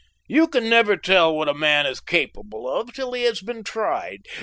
You can never tell what a man is capable of till he has been tried.